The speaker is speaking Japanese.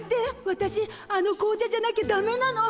わたしあの紅茶じゃなきゃだめなの！